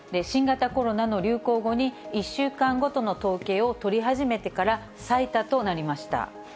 新型コロナの流行後に１週間ごとの統計を取り始めてから、最多となりました。